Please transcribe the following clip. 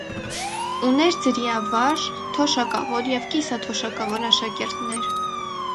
Ունէր ձրիավարժ, թոշակաւոր եւ կիսաթոշակաւոր աշակերտներ։